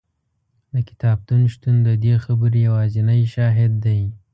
د کتابتون شتون د دې خبرې یوازینی شاهد دی.